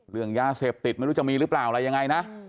เรื่องยาเสพติดไม่รู้จะมีหรือเปล่าอะไรยังไงนะ